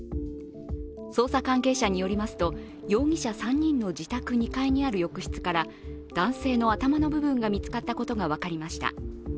捜査関係者によりますと、容疑者３人の自宅２階にある浴室から男性の頭の部分が見つかったことが分かりました。